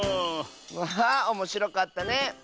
わあおもしろかったね！